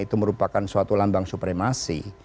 itu merupakan suatu lambang supremasi